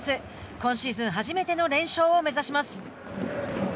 今シーズン初めての連勝を目指します。